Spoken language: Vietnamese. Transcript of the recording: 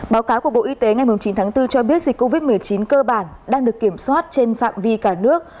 báo cáo của bộ y tế ngày chín tháng bốn cho biết dịch covid một mươi chín cơ bản đang được kiểm soát trên phạm vi cả nước